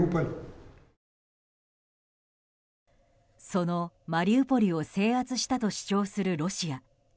そのマリウポリを制圧したと主張するロシア。